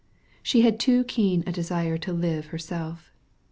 She had too great a desire to live herself.